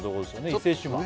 伊勢志摩